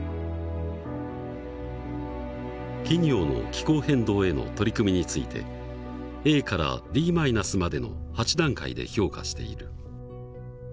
企業の気候変動への取り組みについてＡからＤマイナスまでの８段階で評価している。